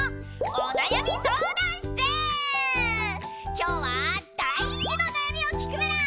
今日はダイチのなやみを聞くメラー。